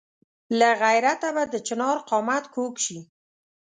له غیرته به د چنار قامت کږ شي.